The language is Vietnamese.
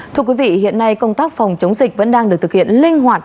thưa quý vị hiện nay công tác phòng chống dịch vẫn đang được thực hiện linh hoạt